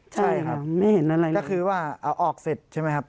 ใช่ครับไม่เห็นอะไรเลยก็คือว่าเอาออกเสร็จใช่ไหมครับ